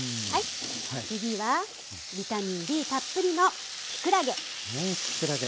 次はビタミンＤたっぷりのきくらげ。